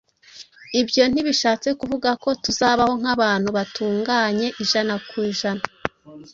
Ibyo ntibishatse kuvuga ko tuzabaho nk’abantu batunganye ijana ku ijana.